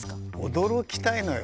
驚きたいのよ。